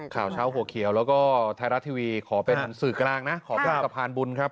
ข่าวเช้าหัวเขียวแล้วก็ไทยรัฐทีวีขอเป็นสื่อกลางนะขอเป็นสะพานบุญครับ